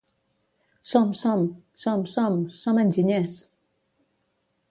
"Som, som, som, som, som enginyers"!